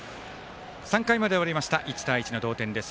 ３回まで終わって１対１の同点です。